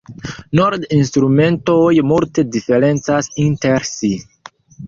Kord-instrumentoj multe diferencas inter si.